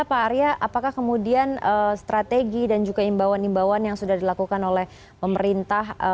pak arya apakah kemudian strategi dan juga imbauan imbauan yang sudah dilakukan oleh pemerintah